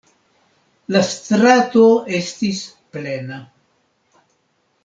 La strato estis plena.